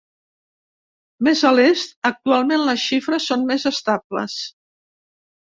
Més a l'est, actualment les xifres són més estables.